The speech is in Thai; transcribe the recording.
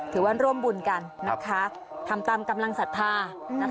ถือว่าร่วมบุญกันนะคะทำตามกำลังศรัทธา